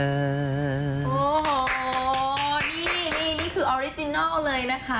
โอ้โหนี่นี่คือออริจินัลเลยนะคะ